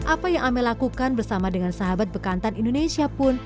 apa yang amel lakukan bersama dengan sahabat bekantan indonesia pun